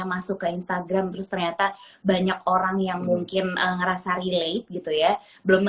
assalamualaikum wr wb